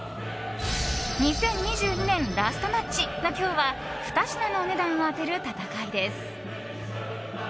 ２０２２年ラストマッチの今日は２品のお値段を当てる戦いです。